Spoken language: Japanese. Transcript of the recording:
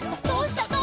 どうした？